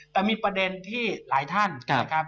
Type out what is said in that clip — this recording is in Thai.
แต่มีประเด็นที่หลายท่านนะครับ